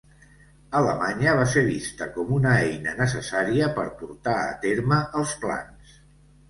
Alemanya va ser vista com una eina necessària per portar a terme els plans.